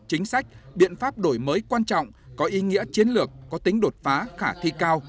chính sách biện pháp đổi mới quan trọng có ý nghĩa chiến lược có tính đột phá khả thi cao